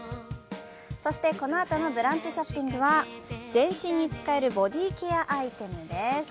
そしてこのあとの「ブランチショッピング」は全身に使えるボディケアアイテムです。